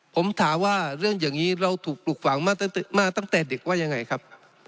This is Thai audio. ผมถามว่าเรื่องอย่างนี้เราถูกปลูกฝังมาตั้งแต่เด็กว่ายังไงครับ